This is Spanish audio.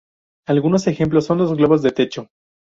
Algunos ejemplos son los globos de techo.